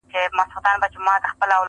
په شنو طوطیانو ښکلی ښکلی چنار،